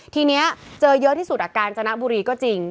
ทีนี้เจอเยอะที่สุดกาญจนบุรีก็จริง